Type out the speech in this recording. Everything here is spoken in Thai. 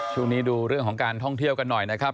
ช่วงนี้ดูเรื่องของการท่องเที่ยวกันหน่อยนะครับ